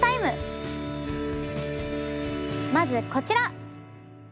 まずこちら。